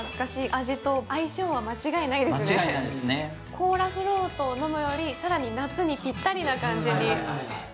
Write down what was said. コーラフロートを飲むより更に夏にぴったりな感じに。